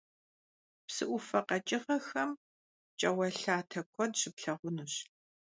Псы Ӏуфэ къэкӀыгъэхэм пкӀауэлъатэ куэд щыплъагъунущ.